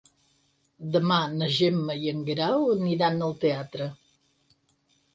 Demà na Gemma i en Guerau aniran al teatre.